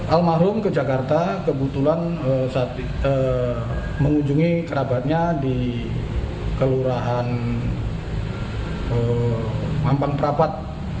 al mahlum ke jakarta kebetulan mengunjungi kerabatnya di kelurahan mampang prapat